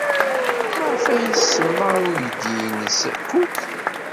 Maɣef ay as-tsemma i uydi-nnes Cook?